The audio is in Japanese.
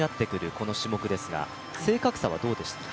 この種目ですが、正確さはどうでしたか？